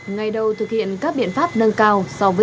ngày đầu thực hiện các biện pháp nâng cao